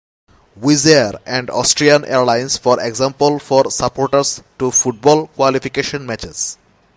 Wizzair and Austrian Airlines, for example for supporters to football qualification matches.